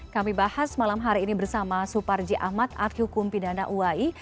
kami bahas malam hari ini bersama suparji ahmad artyukum pindana uai